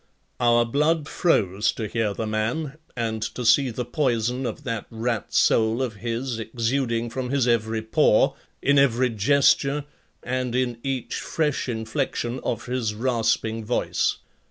Our blood froze to hear the man and to see the poison of that rat soul of his exuding from his every pore, in every gesture and in each fresh inflection of his rasping voice.